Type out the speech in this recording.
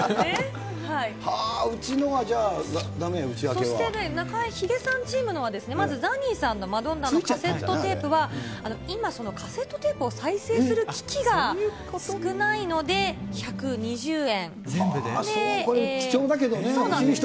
はー、うちのは、じゃあ、そしてヒデさんチームのものは、まず、ザニーさんのマドンナのカセットテープは、今、カセットテープを再生する機器が少ないので、１２０円。